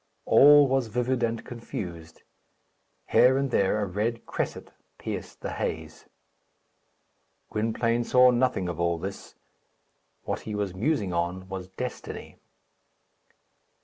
All was livid and confused. Here and there a red cresset pierced the haze. Gwynplaine saw nothing of all this. What he was musing on was destiny.